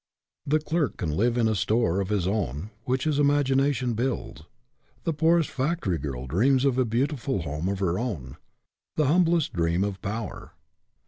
The clerk can live in a store of his own which his imagination builds. The poorest factory girl dreams of a beautiful home of her own. The humblest dream of power.